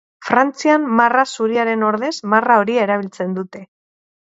Frantzian marra zuriaren ordez marra horia erabiltzen dute.